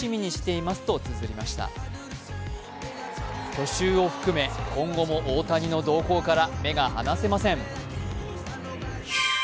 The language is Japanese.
去就を含め今後も大谷の動向から目が離せません。